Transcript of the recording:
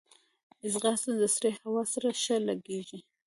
ځغاسته د سړې هوا سره ښه لګیږي